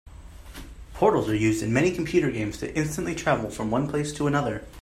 Portals are used in many computer games to instantly travel from one place to another.